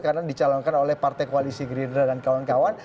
karena dicalonkan oleh partai koalisi gerindra dan kawan kawan